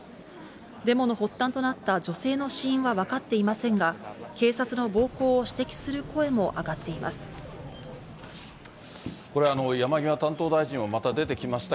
デモの発端となった女性の死因は分かっていませんが、警察の暴行を指摘する声も上がっています。